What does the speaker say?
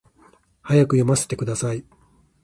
早く読ませてください